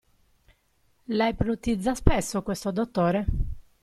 La ipnotizza spesso, questo dottore?